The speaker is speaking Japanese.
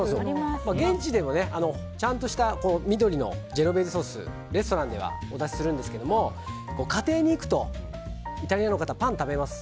現地でも、ちゃんとした緑のジェノベーゼソースレストランではお出しするんですけども家庭に行くとイタリアの方、パン食べます。